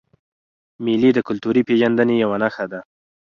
مېلې د کلتوري پیژندني یوه نخښه ده.